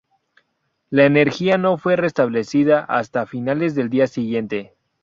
La energía no fue restablecida hasta finales del día siguiente.